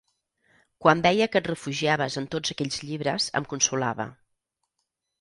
Quan veia que et refugiaves en tots aquells llibres em consolava.